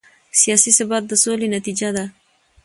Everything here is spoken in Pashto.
سیاسي ثبات د سولې نتیجه ده